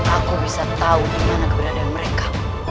aku bisa tahu dimana keberadaan mereka